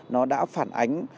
nó đã phản ánh